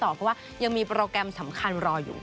เพราะว่ายังมีโปรแกรมสำคัญรออยู่